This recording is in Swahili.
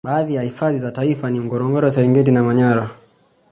Baadhi ya hifadhi za taifa ni Ngorongoro Serengeti na Manyara